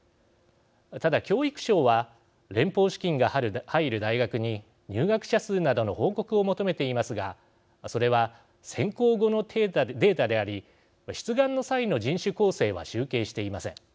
ただ、教育省は連邦資金が入る大学に入学者数などの報告を求めていますがそれは選考後のデータであり出願の際の人種構成は集計していません。